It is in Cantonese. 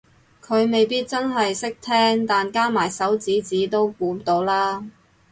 佢未必真係識聽但加埋手指指都估到啦